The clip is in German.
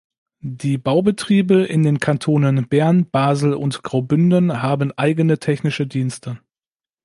Die Baubetriebe in den Kantonen Bern, Basel und Graubünden haben eigene Technische Dienste.